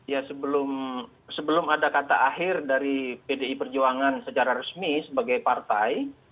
ya sebelum ada kata akhir dari pdi perjuangan secara resmi sebagai partai